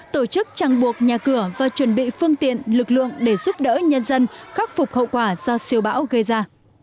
tổ chức trang buộc nhà cửa và chuẩn bị phương tiện lực lượng để giúp đỡ nhân dân khắc phục hậu quả do siêu bão gây ra